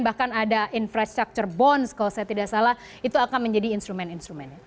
bahkan ada infrastructure bonds kalau saya tidak salah itu akan menjadi instrumen instrumennya